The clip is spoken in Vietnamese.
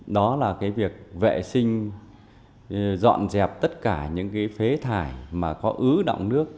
đó là việc vệ sinh dọn dẹp tất cả những phế thải mà có ứ động nước